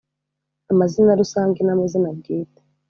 . Amazina rusange n’amazina bwite.